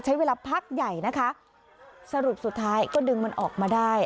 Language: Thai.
ใช้เวลาพักใหญ่นะคะสรุปสุดท้ายก็ดึงมันออกมาได้